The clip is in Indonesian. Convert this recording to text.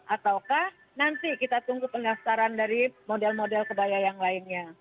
ataukah nanti kita tunggu pendaftaran dari model model kebaya yang lainnya